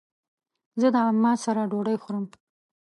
زه د عماد سره ډوډی خورم